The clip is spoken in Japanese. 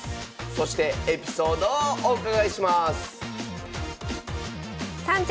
そしてエピソードをお伺いします